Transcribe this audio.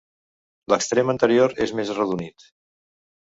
L'extrem anterior és més arrodonit.